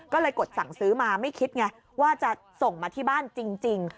ก็เลยกดสั่งซื้อมาไม่คิดไงว่าจะส่งมาที่บ้านจริง